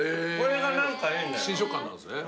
新食感なんすね。